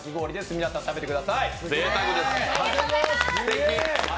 皆さん、食べてください。